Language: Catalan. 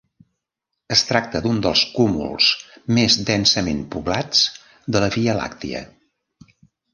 Es tracta d'un dels cúmuls més densament poblats de la Via Làctia.